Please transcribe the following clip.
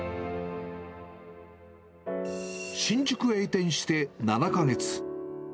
新宿へ移転して、７か月。